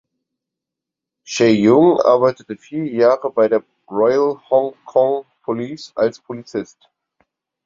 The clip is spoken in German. Cheung arbeitete vier Jahre bei der Royal Hong Kong Police als Polizist.